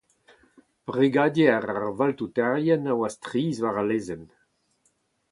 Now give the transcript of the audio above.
Brigadier ar valtouterien a oa strizh war al lezenn.